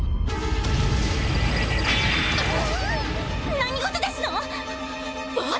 何事ですの⁉はっ